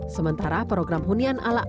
sementara program hunian ala